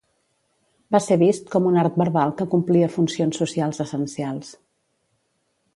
Va ser vist com un art verbal que complia funcions socials essencials.